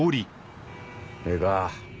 ・ええか？